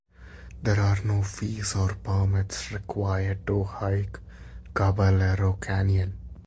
There are no fees or permits required to hike Caballero Canyon.